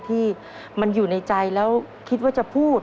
ที่มันอยู่ในใจแล้วคิดว่าจะพูด